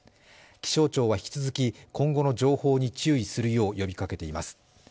気象庁は引き続き今後の情報に注意するよう呼びかけています。